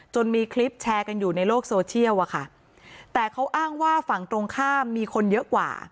มีคลิปแชร์กันอยู่ในโลกโซเชียลอะค่ะแต่เขาอ้างว่าฝั่งตรงข้ามมีคนเยอะกว่า